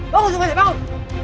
bangun sumpah syekh bangun